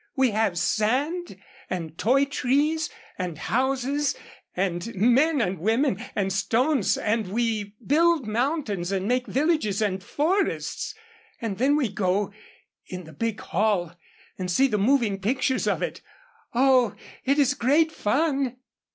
'We have sand, and toy trees, and houses, and men and women, and stones, and we build mountains and make villages and forests, and then we go in the big hall, and see the moving pictures of it. Oh! it is great fun.